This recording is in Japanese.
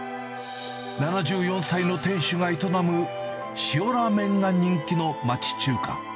７４歳の店主が営む、塩ラーメンが人気の町中華。